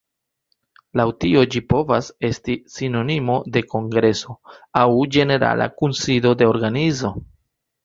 Laŭ tio ĝi povas esti sinonimo de kongreso aŭ ĝenerala kunsido de organizo.